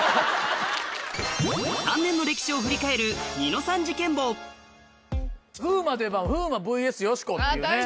３年の歴史を振り返る風磨といえば「風磨ｖｓよしこ」っていうね。